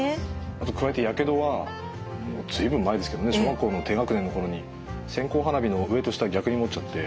あと加えてやけどは随分前ですけどね小学校の低学年の頃に線香花火の上と下逆に持っちゃって。